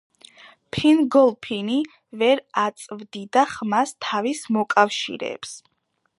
ფინგოლფინი ვერ აწვდიდა ხმას თავის მოკავშირეებს.